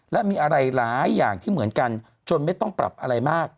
และมีอะไรหลายอย่างที่เหมือนกันจนไม่ต้องปรับอะไรมาก